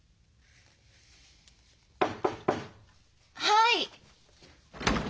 はい。